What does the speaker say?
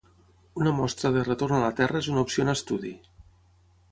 Una mostra de retorn a la Terra és una opció en estudi.